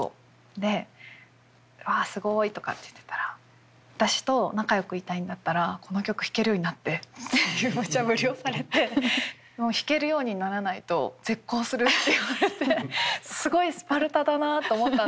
で「あっすごい」とかって言ってたら「私と仲よくいたいんだったらこの曲弾けるようになって」っていうむちゃぶりをされて「弾けるようにならないと絶交する」って言われてすごいスパルタだなと思ったんですけど。